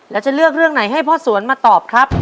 แล้วจะเลือกเรื่องไหนให้พ่อสวนมาตอบครับ